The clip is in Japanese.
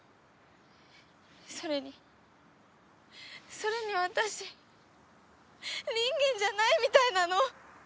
それにそれに私人間じゃないみたいなの！